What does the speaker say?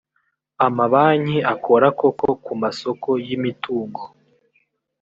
amabanki akora koko ku masoko y ‘imitungo.